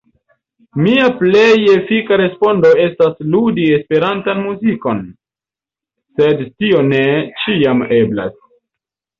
Mia plej efika respondo estas ludi Esperantan muzikon, sed tio ne ĉiam eblas.